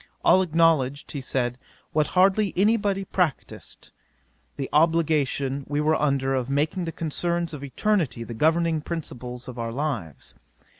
All acknowledged, he said, what hardly any body practised, the obligation we were under of making the concerns of eternity the governing principles of our lives.